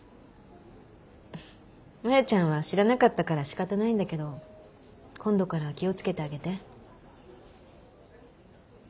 マヤちゃんは知らなかったからしかたないんだけど今度からは気を付けてあげて。